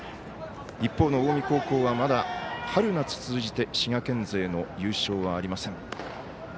一方の近江高校はまだ春夏通じて滋賀県勢の優勝はありません。